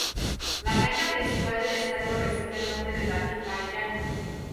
La cancha principal del estadio recibe el nombre de David Arellano.